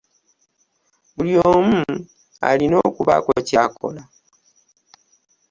Buli omu alina okubaako ky'akola.